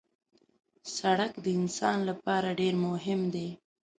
سړک د انسان لپاره ډېر مهم دی.